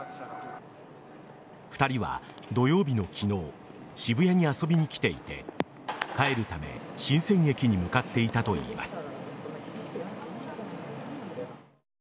２人は、土曜日の昨日渋谷に遊びに来ていて帰るため神泉駅に向かっていたといいます。